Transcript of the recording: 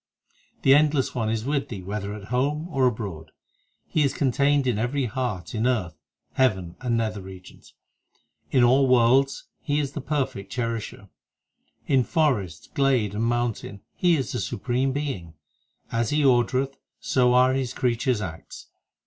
2 The Endless One is with thee whether at home or abroad ; He is contained in every heart, In earth, heaven, and nether regions ; In all worlds He is the Perfect Cherisher ; In forest, glade, and mountain He is the Supreme Being ; As He ordereth so are His creatures acts.